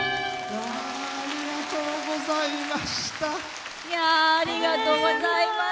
ありがとうございます。